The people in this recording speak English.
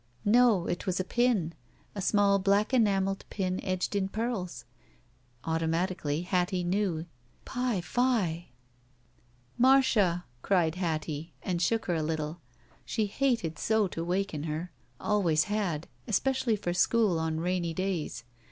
No. It was a pin — a small black enameled pin edged in pearls. Automatically Hattie knew. "PiPhir ''Marda," cried Hattie, and shook her a little. She hated so to waken her. Always had. Especially for school on rainy days.